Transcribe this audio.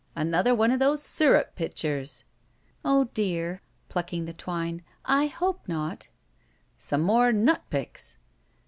Another one of those S3rrup pitchers." *'0h dear!" — plucking the twine — "I hope not!" '* Some more nut picks."